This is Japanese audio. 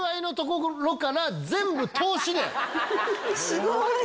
すごい！